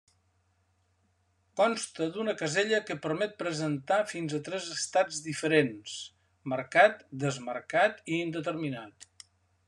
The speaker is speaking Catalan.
Consta d'una casella que permet presentar fins a tres estats diferents: marcat, desmarcat i indeterminat.